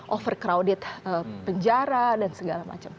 overcrowded penjara dan segala macam